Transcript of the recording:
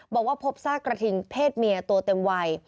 บอกว่าพบซากกระทิงเพศเมียตัวเต็มวัย